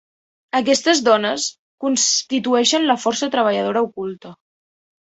Aquestes dones constitueixen la força treballadora oculta.